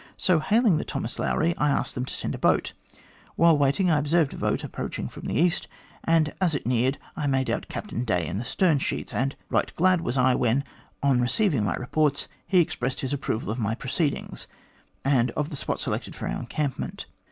So hailing the Thomas Lowry, I asked them to send a boat. While waiting, I observed a boat approaching from the east, and as it neared, I made out Captain Day in the stern sheets ; and right glad was I when, on receiving my reports, he expressed his approval of my proceedings, and of the spot selected for our encampment.